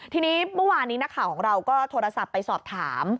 ทีนี้เมื่อวานี้ของเราก็โทรศัพท์ไปสอบถาม